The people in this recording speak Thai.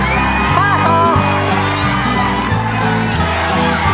สิบเปล่า